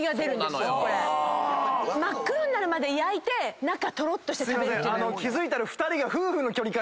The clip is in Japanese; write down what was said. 真っ黒になるまで焼いて中とろっとして食べるのが。